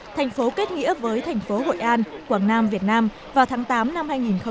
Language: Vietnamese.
thành phố kết nghĩa với thành phố hội an quảng nam việt nam vào tháng tám năm hai nghìn hai mươi